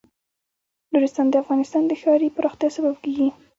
نورستان د افغانستان د ښاري پراختیا سبب کېږي.